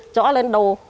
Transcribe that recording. chỗ lên đồ